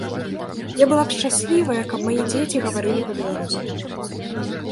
Я была б шчаслівая, каб мае дзеці гаварылі па-беларуску.